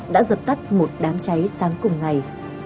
đã dập tắt một đám cháy sáng cùng ngày